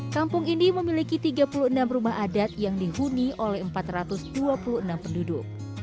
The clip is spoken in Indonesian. kampung ini memiliki tiga puluh enam rumah adat yang dihuni oleh empat ratus dua puluh enam penduduk